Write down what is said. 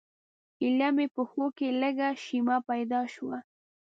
ایله مې پښو کې لږه شیمه پیدا شوه.